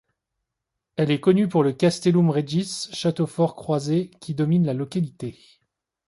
Elle est connue pour le Castellum Regis, château fort croisé, qui domine la localité.